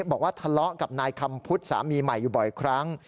บอกว่าทะเลาะกับนายคำพุทธสามีใหม่อยู่บ่อยครั้ง